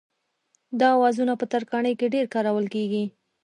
دا اوزارونه په ترکاڼۍ کې ډېر کارول کېږي.